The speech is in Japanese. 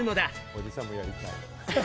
おじさんもやりたい！